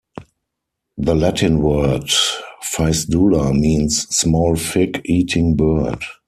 The Latin word "ficedula" means "small fig-eating bird".